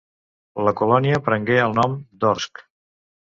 La colònia prengué el nom d'Orsk.